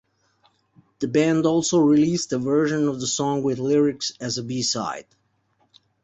The band also released a version of the song with lyrics as a B-Side.